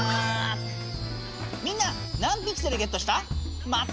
みんな何ピクセルゲットした？